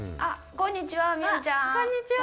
こんにちは。